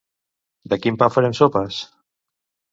De quin pa farem sopes?